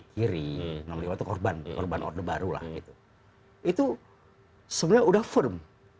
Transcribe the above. kiri enam puluh lima itu korban korban order baru lah itu sebenarnya sudah firm